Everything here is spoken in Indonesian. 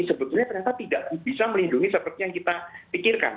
sebetulnya ternyata tidak bisa melindungi seperti yang kita pikirkan